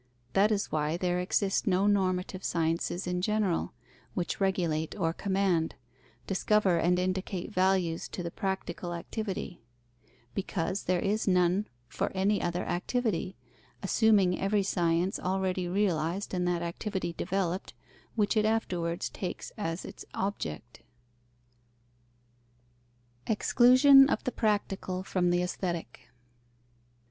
That is why there exist no normative sciences in general, which regulate or command, discover and indicate values to the practical activity; because there is none for any other activity, assuming every science already realized and that activity developed, which it afterwards takes as its object. _Exclusion of the practical from the aesthetic.